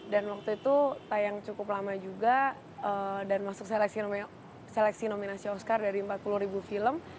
dan waktu itu tayang cukup lama juga dan masuk seleksi nominasi oscar dari empat puluh ribu film